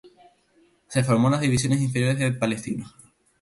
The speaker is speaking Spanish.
Se formó en las divisiones inferiores de Palestino.